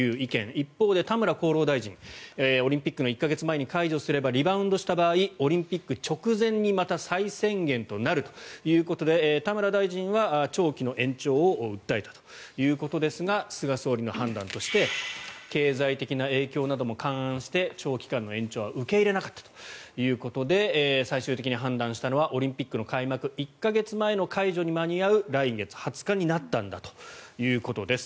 一方で、田村厚労大臣オリンピックの１か月前に解除すればリバウンドした場合オリンピック直前にまた再宣言となるということで田村大臣は長期の延長を訴えたということですが菅総理の判断として経済的な影響なども勘案して長期間の延長は受け入れなかったということで最終的に判断したのはオリンピックの開幕１か月前の解除に間に合う来月２０日になったんだということです。